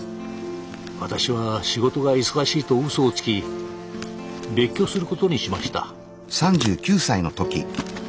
私は仕事が忙しいと嘘をつき別居することにしました。